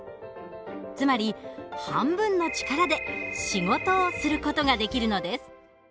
つまり半分の力で仕事をする事ができるのです。